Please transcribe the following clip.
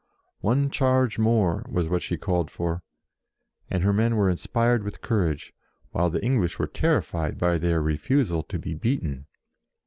" One charge more " was what she called for, and her men were inspired with courage, while the English were terri fied by their refusal to be beaten.